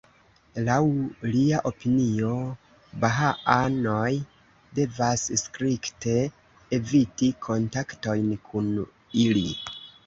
Laŭ lia opinio, bahaanoj devas strikte eviti kontaktojn kun ili.